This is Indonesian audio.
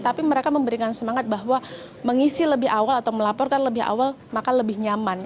tapi mereka memberikan semangat bahwa mengisi lebih awal atau melaporkan lebih awal maka lebih nyaman